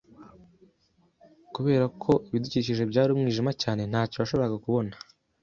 Kubera ko ibidukikije byari umwijima cyane, ntacyo yashoboraga kubona.